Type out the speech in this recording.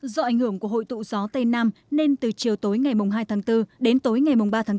do ảnh hưởng của hội tụ gió tây nam nên từ chiều tối ngày hai tháng bốn đến tối ngày ba tháng bốn